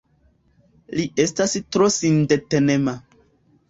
Li estas tro sindetenema.